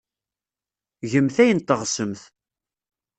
Gemt ayen teɣsemt.